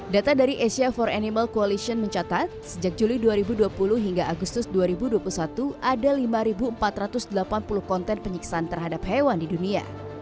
data dari asia for animal coalition mencatat sejak juli dua ribu dua puluh hingga agustus dua ribu dua puluh satu ada lima empat ratus delapan puluh konten penyiksaan terhadap hewan di dunia